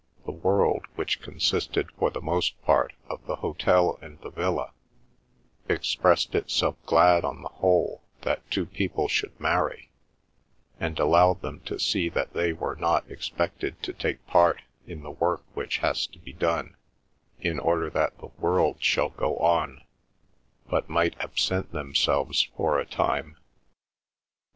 The world, which consisted for the most part of the hotel and the villa, expressed itself glad on the whole that two people should marry, and allowed them to see that they were not expected to take part in the work which has to be done in order that the world shall go on, but might absent themselves for a time.